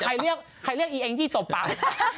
เรียกใครเรียกอีเองจี้ตบปาก